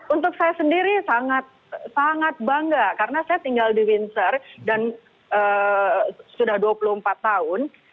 untuk saya sendiri sangat bangga karena saya tinggal di windsor dan sudah dua puluh empat tahun